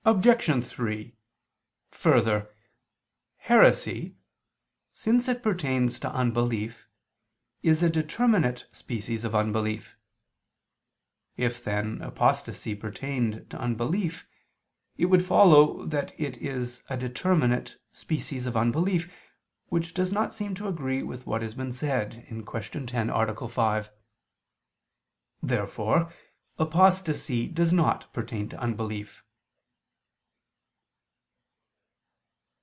Obj. 3: Further, heresy, since it pertains to unbelief, is a determinate species of unbelief. If then, apostasy pertained to unbelief, it would follow that it is a determinate species of unbelief, which does not seem to agree with what has been said (Q. 10, A. 5). Therefore apostasy does not pertain to unbelief.